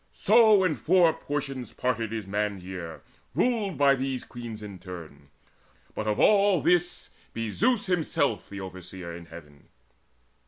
So in four portions parted is man's year Ruled by these Queens in turn but of all this Be Zeus himself the Overseer in heaven.